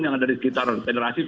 yang ada di sekitar federasi